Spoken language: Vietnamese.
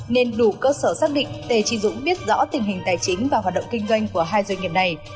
nên đủ cơ sở xác định tê trí dũng biết rõ tình hình tài chính và hoạt động kinh doanh của hai doanh nghiệp này